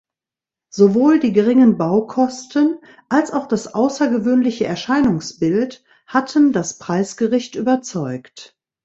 Sowohl die geringen Baukosten als auch das außergewöhnliche Erscheinungsbild hatten das Preisgericht überzeugt.